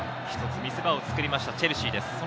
一つ見せ場をつくりました、チェルシーです。